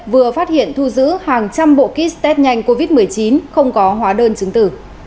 vừa phát hiện thu giữ hàng trăm bộ kit test nhanh covid một mươi chín không có hóa đơn chứng tử